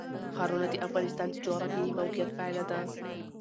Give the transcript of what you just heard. ښارونه د افغانستان د جغرافیایي موقیعت پایله ده.